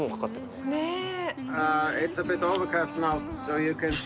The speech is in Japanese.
ねえ。